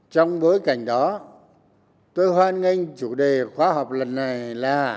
trong bối cảnh đó tôi hoan nghênh chủ đề khóa học lần này là